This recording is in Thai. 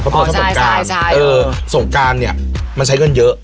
เพราะเพราะชอบสงการเออสงการเนี้ยมันใช้เงินเยอะ